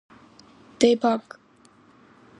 대박!